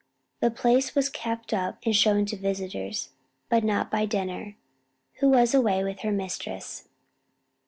The place was kept up and shown to visitors, but not by Denner, who was away with her mistress.